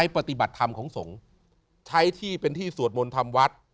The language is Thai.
ปฏิบัติธรรมของสงฆ์ใช้ที่เป็นที่สวดมนต์ทำวัด